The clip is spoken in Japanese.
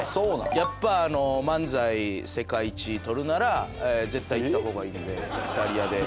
やっぱ漫才世界一取るなら絶対に行った方がいいのでイタリアで。